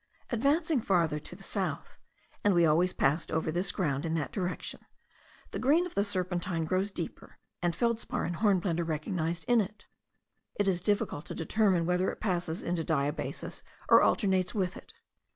Advancing farther to the south (and we always passed over this ground in that direction) the green of the serpentine grows deeper, and feldspar and hornblende are recognised in it: it is difficult to determine whether it passes into diabasis or alternates with it.